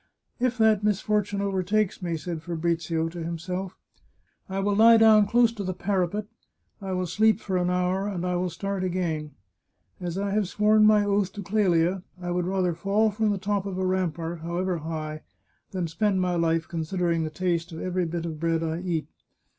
" If that misfortune overtakes me," said Fabrizio to himself, " I will lie down close to the parapet ; I will sleep for an hour, and I will start again. As I have sworn my oath to Clelia, I would rather fall from the top of a rampart, however high, than spend my life considering the taste of every bit of bread I eat.